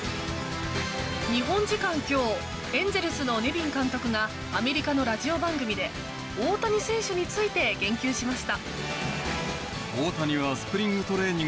日本時間今日エンゼルス、ネビン監督がアメリカのラジオ番組で大谷選手について言及しました。